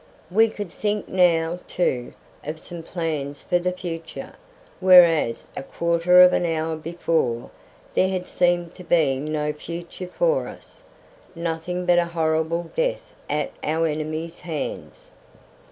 We could think now, too, of some plans for the future, whereas a quarter of an hour before there had seemed to be no future for us, nothing but a horrible death at our enemies' hands.